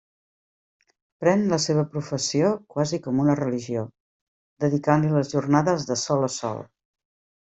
Pren la seva professió quasi com una religió, dedicant-li les jornades de sol a sol.